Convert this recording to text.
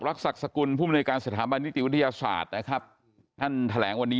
ศักดิ์สกุลผู้มนุยการสถาบันนิติวิทยาศาสตร์นะครับท่านแถลงวันนี้